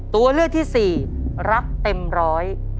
ตัวเลือกที่สี่รักเต็มร้อย